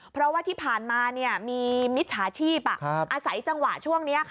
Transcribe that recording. เพราะว่าที่ผ่านมามีมิจฉาชีพอาศัยจังหวะช่วงนี้